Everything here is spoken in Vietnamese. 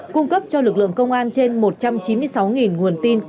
cung cấp cho lực lượng công an trên một trăm chín mươi sáu nguồn tin